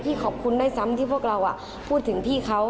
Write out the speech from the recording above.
ขอบคุณได้ซ้ำที่พวกเราพูดถึงพี่เขา